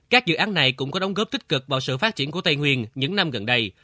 các dự án này cũng có đóng góp tích cực vào sự phát triển của tây nguyên những năm gần đây